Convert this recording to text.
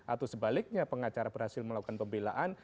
atau sebaliknya pengacara berhasil melakukan pembelaan